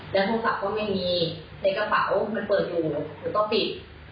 แล้วโทรศัพท์ก็ไม่มีในกระเป๋ามันเปิดอยู่แล้วก็ปิด